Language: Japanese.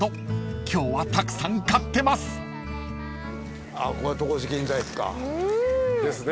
今日はたくさん買ってます］ですね。